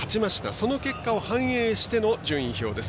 その結果を反映しての順位表です。